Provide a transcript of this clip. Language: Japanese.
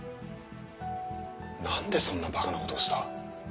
何でそんなばかなことをした？